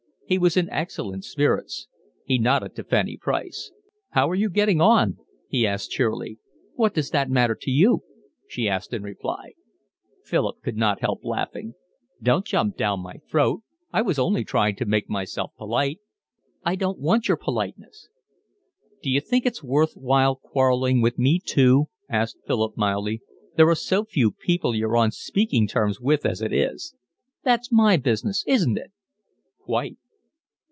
He was in excellent spirits. He nodded to Fanny Price. "How are you getting on?" he asked cheerily. "What does that matter to you?" she asked in reply. Philip could not help laughing. "Don't jump down my throat. I was only trying to make myself polite." "I don't want your politeness." "D'you think it's worth while quarrelling with me too?" asked Philip mildly. "There are so few people you're on speaking terms with, as it is." "That's my business, isn't it?" "Quite."